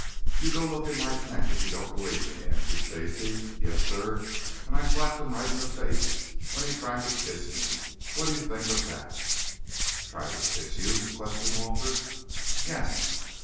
You go look in my tent, if you don't believe me," answered Stacy. "Yes, sir, and I slapped him right in the face when he tried to kiss me. What do you think of that?" "Tried to kiss you?" questioned Walter. "Yes.